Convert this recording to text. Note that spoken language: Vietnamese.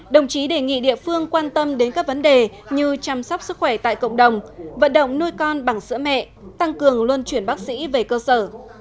đồng chí đề nghị địa phương quan tâm đến các vấn đề như chăm sóc sức khỏe tại cộng đồng vận động nuôi con bằng sữa mẹ tăng cường luân chuyển bác sĩ về cơ sở